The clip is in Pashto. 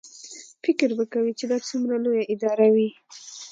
فکر به کوې چې دا څومره لویه اداره وي.